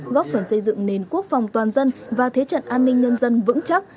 góp phần xây dựng nền quốc phòng toàn dân và thế trận an ninh nhân dân vững chắc